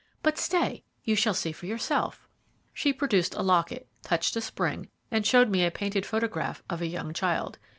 But, stay, you shall see for yourself." She produced a locket, touched a spring, and showed me a painted photograph of a young child.